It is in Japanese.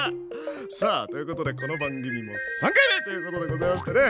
さあということでこの番組も３回目ということでございましてね